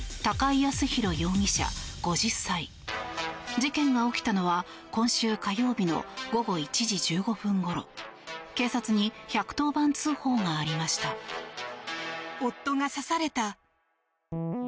事件が起きたのは今週火曜日の午後１時１５分ごろ警察に１１０番通報がありました。